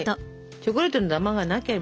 チョコレートのダマがなければ。